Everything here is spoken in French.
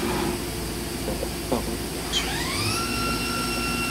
La parole est à Monsieur Ibrahim Aboubacar.